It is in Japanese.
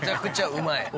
うまい！